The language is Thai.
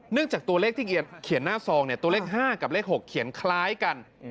จากตัวเลขที่เขียนหน้าซองตัวเลข๕กับเลข๖เขียนคล้ายกัน